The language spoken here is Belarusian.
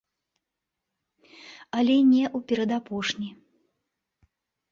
Але не ў перадапошні.